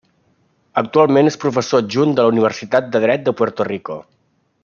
Actualment és professor adjunt de la Universitat de Dret de Puerto Rico.